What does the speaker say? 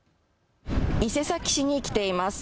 伊勢崎市に来ています。